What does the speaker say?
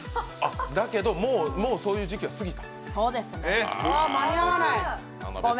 だけど、もうそういう時期は過ぎた？